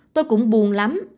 tôi cũng buồn lắm